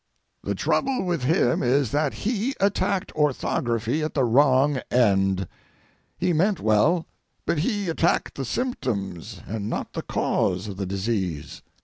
The trouble with him is that he attacked orthography at the wrong end. He meant well, but he attacked the symptoms and not the cause of the disease.